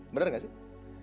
bener gak sih